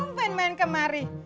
tumpen main kemari